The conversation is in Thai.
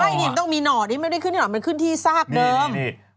ไม่มันต้องมีหน่อนี่มันไม่ได้ขึ้นที่หน่อนมันขึ้นที่ซากเดิม